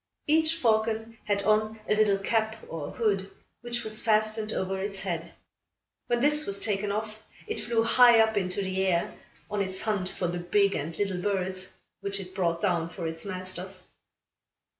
Each falcon had on a little cap or hood, which was fastened over its head. When this was taken off, it flew high up into the air, on its hunt for the big and little birds, which it brought down for its masters.